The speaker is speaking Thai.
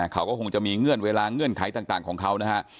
เขาก็คงจะมีเงื่อนเวลาเงื่อนไขต่างของเขานะฮะ